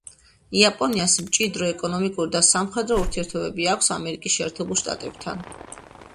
იაპონიას მჭიდრო ეკონომიკური და სამხედრო ურთიერთობები აქვს ამერიკის შეერთებულ შტატებთან.